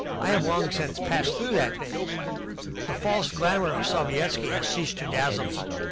I have long since passed through that phase. The false glamour of Sovietski has ceased to dazzle me.